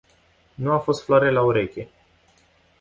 Nu a fost floare la ureche.